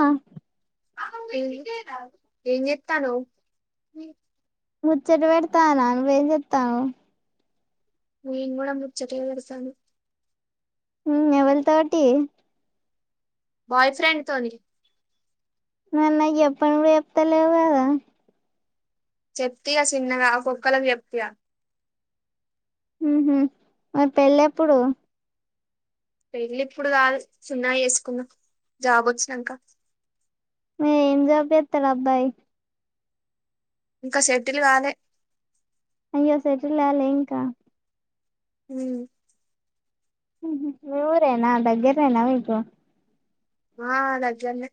ఆ ఏం చేత్తానవ్ ముచ్చట పెడుతాన నువేం చెెత్తానువ్ నేను గూడా ముచ్చట పెడసను మ్ ఎవళతోటి బాయ్ ఫ్రెండ్ తోని మరి నాకు చెప్పాను కూడా చెప్త లేవు గదా చెప్తియా చిన్నగా కుక్కలకి చెప్తియా మ్.. హుమ్మ్ పెళ్లెప్పుడు పెళ్ళి ఇప్పుడు కాదు సున్నా చేసుకున్నాం జాబ్ వచ్చినాక ఏం జాబు చేత్తడు అబ్బాయి ఇంకా సెటిలు కలే అయ్యో సెటిలా అవలే ఇంకా మ్ మ్ హు మ్ ఈ ఊరేనా దగ్గరేనా మీకు ఆ.... దగ్గర్నే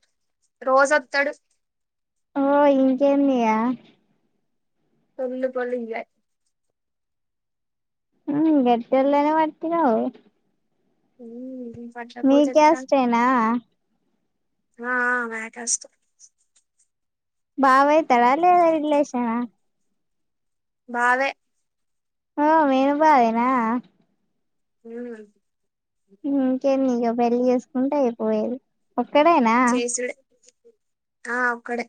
రోజూ వత్తడు ఓయ్ ఇంకేంది ఇగ పోలు పోలు ఎంజాయ్ ఉ గడ్ద్దల్లోనే పతరా మ్ మీ కేష్టేనా ఆ ఆ మా కేష్టె బావ అయితాడ లేద రిలేషన్ బావే ఓ మేనుబావే నా మ్ మ్.. ఇంకేమి ఇక పెళ్లి చేసుకుంటే అయిపోయేది ఒక్కడేనా చేసుడే ఆ ఒక్కడ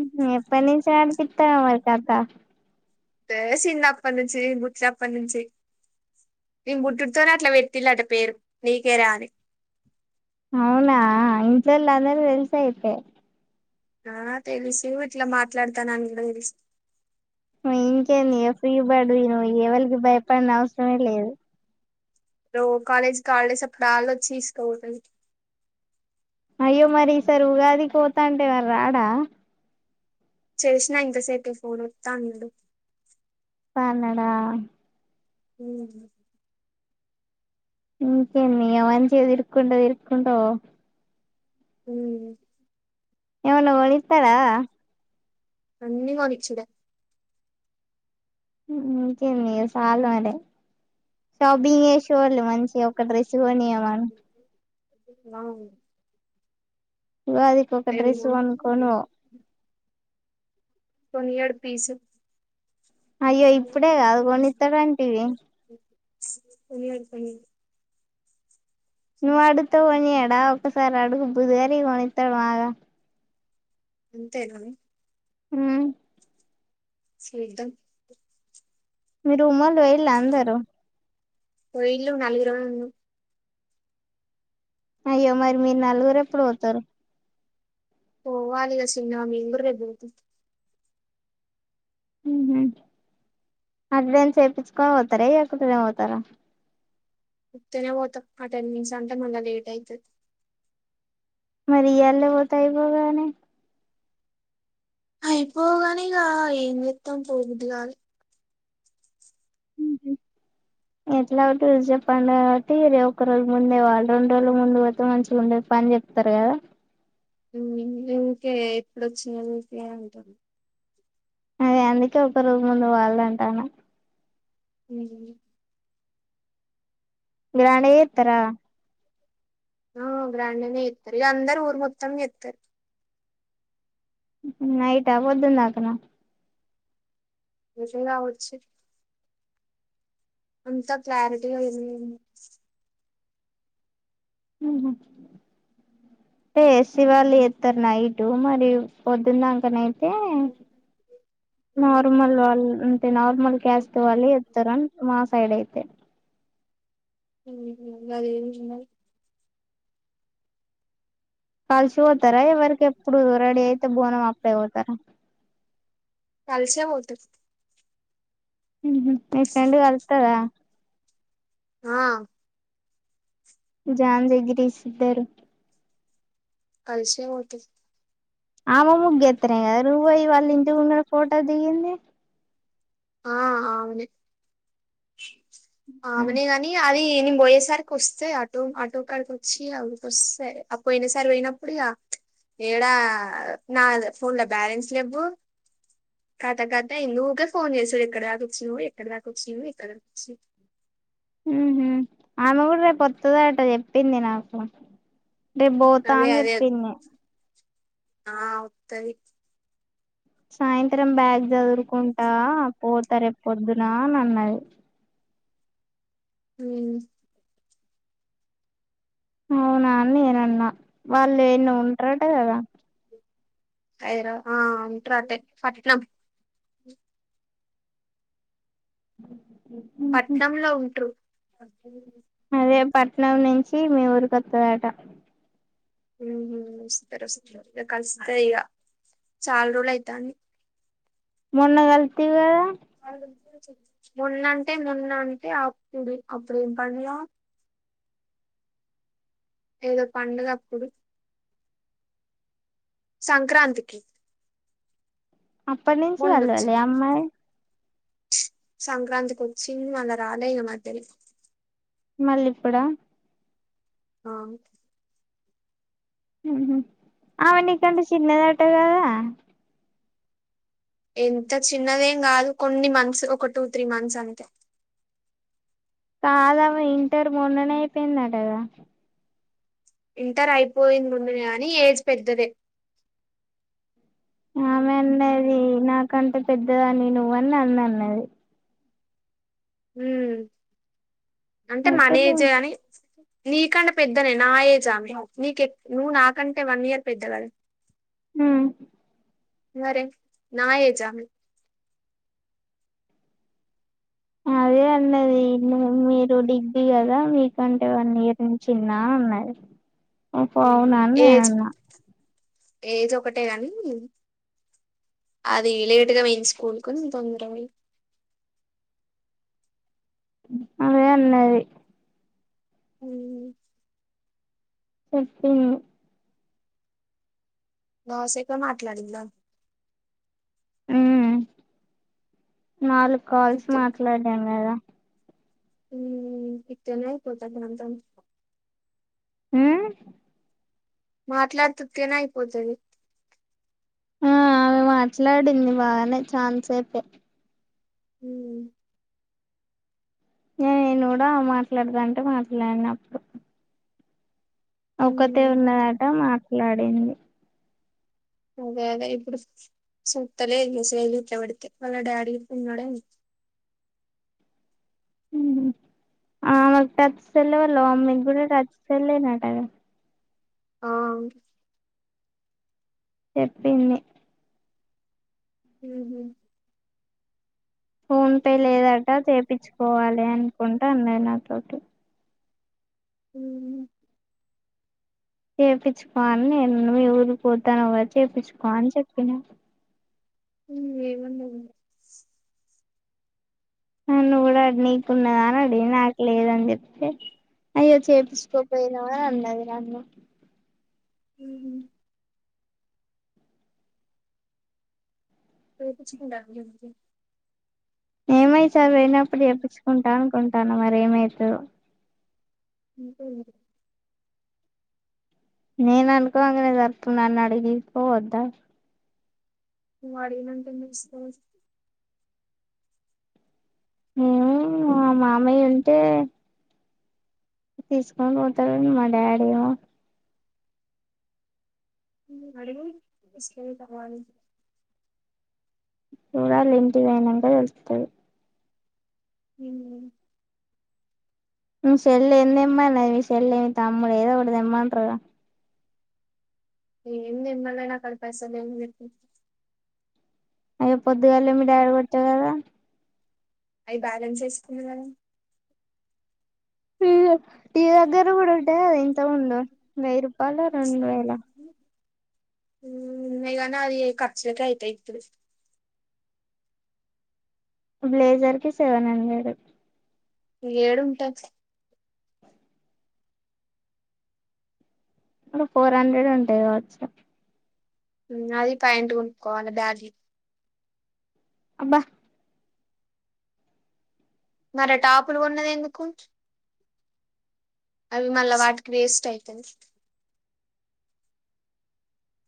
మ్.. ఎప్పటినుంచి ఆట తిప్పుతున్నావు మరి కథ ఏ చిన్నప్పటి నుంచి బుట్టినప్పటి నుంచి నె బుట్టుడితోనే అట్లా పెట్ ఇల్లట పేరు నీకే రా అని అవునా ఇంట్లల్ అంద తెల్సా యితే ఆ తెలుసు ఇట్లా మాట్లాడతాను అని కూడా తెలుసు ఇంకేం ఫ్రీబడువవు ఎవలకి భయపడిన అవసరమే లేదు ర కాలేజ్ కాళ్ప్పుడళ వచ్చిసుకోవుతు అయ్యో మరి ఈసారి ఉగాదికి పోతా అంటే మరి రాడా చేేసిన ఇంంత సేపు ఫోన్ ఒత్తాడు కనడా హ ఇంక నీ అవాన్ చే ఇరుకంట ఇరుకంటో పో హమ్ ఎవనా ఒళిస్తారా అన్నీ కోనేయచూడి ఇక నీ సాల అర షాపింగ్ వేసేవాళ్ళు మంచిగా ఒక డ్రెస్ కొనియమను అవు ఉగాది ఒక డ్రెస్ అనుకోనువో పనియర్ పీస్ అయ్యో ఇప్పుడే కాదు కొనిస్తాడంటివి సనిడు ప నువ్వు అడుత కొనియాడా ఒకసారి అడుగు బుధగారి కొనిస్తాడు మాగా అంతేనా హ సుదం మీరుమ్మళ్ళ వెళ్ళ అందరు పోయిలు నాలుగు రూ ఉన్నా అయ్యో మరి మీరు నలుగురు ఎప్పుడు పోతారు ఓ వాాలగా సింగ్వామి ఊరులేదుతు అడ్వాన్ చేయించుకొని పోవుతారా ఎకుతేర అవుతారా ముప్తేనే పోతాం అటెండెన్స్ అంటే మళ్ళా లేట్ అయితుది మరి ఇ అళ్ళ పోత అయిపోగానే అయిపోగానేక ఏం చెత్తాం పోగుద్ంది కాలి ఇ ఎట్లా ఒకటి రుజ చెప్పండి కాట్టి రే ఒ ఒక రోజు ముందే ఆల్రౌండ్ రోజు ముందు పోతే మంచిగా ఉండే పని చెప్ప సర ఊకే ఇప్పుడుొచ్చిన క అంటాను అదిే అందుకే ఒక రూజ ముందు వాళ్ళ అంటాను హ గణే తరా ఆ గ్రాండ్ అనే ఇస్తారు ఇ అందరు ఊరు మొత్తం ఇస్తారు నైట్ా పొద్దుందాకనా మీ రావచ్చి అంతా క్లారిటీగా ఏంది ఉ అే శివాళు ఇస్తారు నైటు మరి పొద్దున్నాక నైట్ నార్మల్ అల్ అంటే నార్మల్ క్యాస్ దవాలి ఇత్తర మా సైడ్ అయితే అ అదేన్న కలిసి పోతారా ఎవరిక ఎప్పుడు రెడీ అయితే బోనం అప్పుడే పోతారా కాల్స పోతు హుహ్ మీ ఫ్రెండ్ కల్తదా. ఆ జాన్ జిగ్రిస్ ఇద్దరు. కలిసే పోతది. ఆమే ముగ్గేత్తనే కదా నువ్వు వోయి వాళ్ళ ఇంటి ముందరా ఫోటో దిగింది. ఆ ఆమనే ఆమెనే కానీ అది నేను పోయే సారికి వస్తే ఆటో ఆటోకాడికి వచ్చి అవి వస్తే అ పోయిన సారీ పోయినప్పుడు ఇగా ఎడా నా ఫోన్ల బ్యాలెన్స్ లెవ్వు. కత కత అయ్యింది ఊకే ఫోన్ చేసుడు ఎక్కడ దాక వచ్చినవు ఎక్కడ దాక వచ్చినవు ఎక్కడ దాక వచ్చి ఉహ్ ఆమె కూడా రేపు అత్తదాట చెప్పింది నాకు. రేపు పోతా అదే అని అదే చెప్పింది. ఆ వొత్తది. సాయంత్రం బ్యాగ్ సదురుకుంటా పోతా రేపు పొద్దున అని అన్నది. హ్ అవునా అని నేను అన్నా వాళ్ళు ఎన్నో ఉంటరట కదా. హైదరాబాదు ఆ ఉంటరు అటే పట్నం. ఉహు పట్నంలో ఉంట్రు. అదే పట్నం నుంచి మీ ఊరికి వత్తదటా. ఉహ్ వస్త వస్తరు ఇగా కలిస్తే ఇడా చాలా రోజులు అయితాంది. మొన్న గల్తీవి కదా. మొన్నంటే మొన్నంటే అప్పుడు అప్పుడు ఎం పండుగా. ఏదో పండుగ అప్పుడు. సంక్రాంతికి అప్పటి నుంచి కలవలే మొన్నొచ్చింది అమ్మాయి. సంక్రాంతికి వచ్చింది మళ్లా రాలే ఇగా మధ్యలా మళ్ళిప్పుడా. ఆ హుహ్ ఆమె నీకంటే చిన్నది అట కదా. ఎంత చిన్నదేం కాదు కొన్ని మంత్స్ ఒక టూ త్రీ మంత్స్ అంతే. కాదామే ఇంటర్ మొన్ననే అయిపోయిందాట కదా. ఇంటర్ అయిపోయింది మొన్ననే కాని ఏజ్ పెద్దదే. ఆమె అన్నది నాకంటే పెద్దదానివి నువ్వని నన్ను అన్నది. ఉ అంటే అయితే మనేజే నేను కాని నీకంటే పెద్దనే నా ఏజ్ ఆమె. నీకె నువ్వు నాకంటే వన్ ఇయర్ పెద్ద కదా. హ మరే నా ఏజామే. అదే అన్నది మీరు డిగ్ ఇది కదా మీకంటే వన్ ఇయర్ నేను చిన్నా అన్నది. బహో ఉమ్, అవునా అని ఏజ్ నేనన్నా. ఏజ్ ఒకటే కాని అది లేటుగా పోయింది స్కూల్ కు నేను తొందర పోయినా అదే అన్నది. అ అ [unintelligible] బాగా సేపే మాట్లాడిందా. ఉమ్ నాలుగు కాల్స్ మాట్లాడినం కదా. ఉ ఇట్టనే అయిపోతది [unintelligible] తం ఆ మాట్లాడుతే ఉత్తిగనే అయిపోతది. ఆ ఆమె మాట్లాడింది బానే చాలాసేపే అ న నేను మాట్లాడదా అంటే మాట్లాడిన అప్పుడు ఒకటే ఉమ్, ఉన్నదట మాట్లాడింది అదే అదే ఇప్పుడు సూతలేదు ఇగ [unintelligible] ఇట్లా పెడితే వాళ్ళ డాడీ దిట్ల ఉన్నాడు [unintelligible] ఉహూ ఆమె టచ్ సెల్ వల్ల మమ్మీ కీ కూడా టచ్ సెల్ ఏ నాటకాదా ఆ అవును చెప్పింది ఉహూ ఫోన్ పే లేదట చేపచ్చుకోవాలి అనుకుంటే అన్నది నాతోటి ఉహూ చేయిించుకో అని నేను అన్న మీ ఊరికి పోతానువ చేయిించుకోని చెప్పినా ఉ ఏమన్నది నన్ను కూడా అ నీకున్నాదా అని అడిగింది నాకు లేదని చెప్పితే అయ్యో చేపంచుకోపోయినావ్ అన్నది నన్ను ఉహూ చేయించుకుంట అనీ చెప్పు ఏమో ఈసారి పోయినప్పుడు చెప్పించుకుంటా అనుకుంటాన మరి ఏమైతదో ఇంకేంది నేను అనుకో అంగానే జరుతున్నాని అడిగికోవద్దా నువ్వు అడిగినంక ఎందుకు తీసుకపోదు హ్మ్ మా మామయ్య ఉంటే తీసుకొని పోతాడు మా డాడీమో అడుగు తీసుకోపోతాడు కావచ్చు చూడాలె ఇంటి పోయినంక తెలుస్తది ఉమ్ మీ చెల్లెందేమ్మన్నది మీషెల్లె తమ్ముడు ఏదో ఒకటి తెమ్మంటారుగాదా ఏండెమ్మాన్లే నాకాడ పైసలు ఏం లెవ్ అయ్యో పొద్దుగాల్నే మీ డాడి కొట్టె కదా అవి బ్యాలెన్స్ వేసుకున్న కదా ఇయ్య నీ దగ్గర కూడా ఉంటే గద ఇంత ముందు వెయ్యి రూపాయలో రెండు వేలో ఉమ్ ఉన్నాయి కానీ నా అది ఖర్చులకే అయితాయ్ ఇప్పుడు బ్లేజర్ కి సెవెన్ హండ్రెడు యేడుంట అడు ఫోర్ హండ్రెడ్ ఉంటాయి కావచ్చు అది పైంట్ కొనుకోవాలి బ్యాగి అబ్బ మరె టాపులు గొన్నది ఎందుకు అవి మళ్ళ వాటికి వేస్ట్ అయితది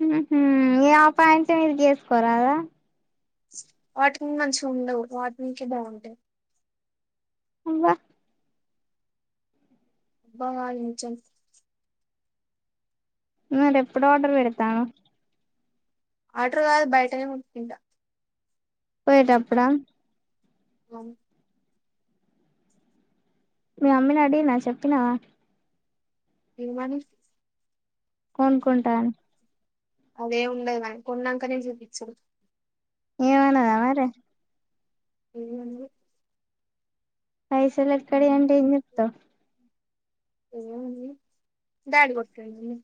ఉహూ ఇగ ఆ ప్యాంటు మీదికేసుకోరాదా వాటిమీద మంచి ఉండవు వాటిమిదికే బాగుంటాయి అబ్బ అబ్బా నీజం మరి ఎప్పుడు ఆర్డర్ పెడుతానవ్ ఆడర్ కాదు బయటనే కొంక్కుంట పోయేటప్పుడా ఆమ్మో మీ మమ్మినడిగిన షేప్పినవా ఏమని కొన్కుంట అని అదే ఉండదు మనం కొన్నంకనే చూపిచ్చుడు ఏమనదా మరే ఏమనది పైసలెక్కడియంటే ఏం చెప్తవ్ ఏముంది డాడి కొట్టిండని